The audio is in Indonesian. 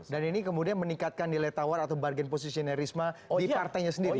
dan ini kemudian meningkatkan nilai tawar atau bargain position risma di partainya sendiri